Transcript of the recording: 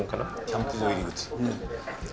「キャンプ場入口」。